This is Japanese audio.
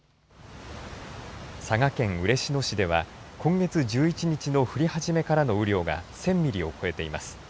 佐賀県嬉野市では今月１１日の降り始めからの雨量が１０００ミリを超えています。